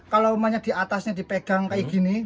kalau umpamanya diatasnya dipegang kayak gini